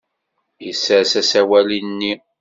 Yessers asawal-nni.